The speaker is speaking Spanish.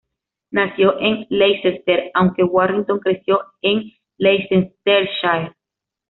Nació en Leicester, aunque Warrington creció en Leicestershire.